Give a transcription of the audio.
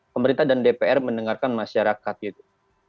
pemerintah dan dpr mendengarkan masyarakat gitu